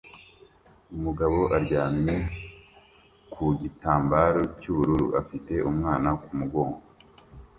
Umugabo aryamye ku gitambaro cy'ubururu afite umwana ku mugongo